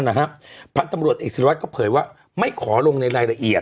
นั้นนะฮะพันธุ์ตำรวจเอ็กซีรวรรดิ์ก็เผยว่าไม่ขอลงในรายละเอียด